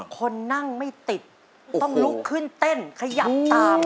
คนนั่งไม่ติดต้องลุกขึ้นเต้นขยับตาม